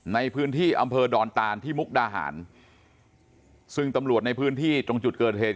ในพื้นที่อำเภอดอนตานที่มุกดาหารซึ่งตำรวจในพื้นที่ตรงจุดเกิดเหตุ